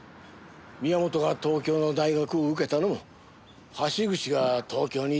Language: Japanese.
宮本が東京の大学を受けたのも橋口が東京に出ると知ったからで。